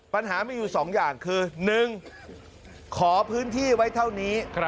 ปัญหามีอยู่๒อย่างคือ๑ขอพื้นที่ไว้เท่านี้